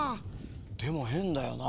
でもへんだよな。